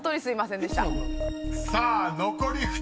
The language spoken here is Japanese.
［さあ残り２人です］